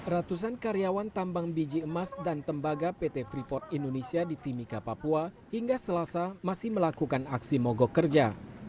ratusan karyawan tambang biji emas dan tembaga pt freeport indonesia di timika papua hingga selasa masih melakukan aksi mogok kerja